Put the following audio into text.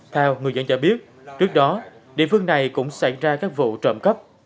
theo người dẫn cho biết trước đó địa phương này cũng xảy ra các vụ trộm cấp